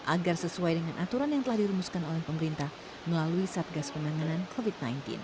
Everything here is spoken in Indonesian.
agar sesuai dengan aturan yang telah dirumuskan oleh pemerintah melalui satgas penanganan covid sembilan belas